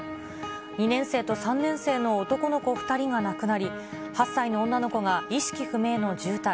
２年生と３年生の男の子２人が亡くなり、８歳の女の子が意識不明の重体。